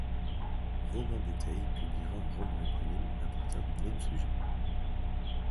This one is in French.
Romain Bouteille publiera un roman éponyme à partir du même sujet.